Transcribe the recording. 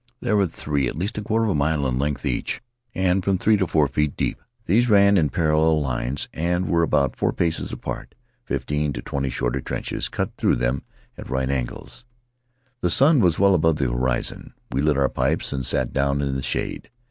There were three at least a quarter of a mile in length each and from three to four feet deep. These ran in parallel lines and were about four paces apart. Fifteen to twenty shorter trenches cut through them at right angles. The Englishman's Story The sun was well above the horizon. We lit our pipes and sat down in the shade.